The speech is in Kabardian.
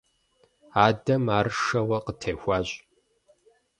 Адэм ар шэуэ къытехуащ.